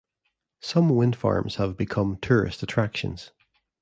Some wind farms have become tourist attractions.